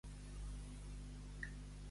Els de Cocentaina, algepsers i forners.